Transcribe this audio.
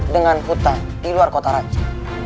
dengan hutan di luar kota raja